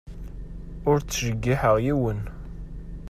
Ur ttjeyyiḥeɣ yiwen.